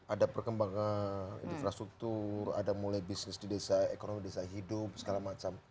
ada perkembangan infrastruktur ada mulai bisnis di desa ekonomi desa hidup segala macam